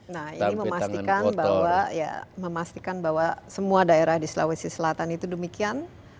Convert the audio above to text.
nah ini memastikan bahwa semua daerah di sulawesi selatan itu demikian